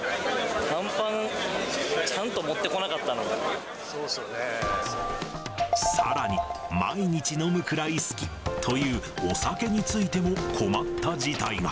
短パン、ちゃんと持ってこなかっさらに、毎日飲むくらい好きという、お酒についても困った事態が。